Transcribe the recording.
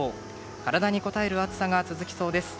体にこたえる暑さが続きそうです。